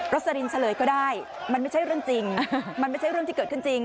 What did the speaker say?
สลินเฉลยก็ได้มันไม่ใช่เรื่องจริงมันไม่ใช่เรื่องที่เกิดขึ้นจริง